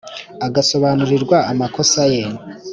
agasobanurirwa amakosa ye,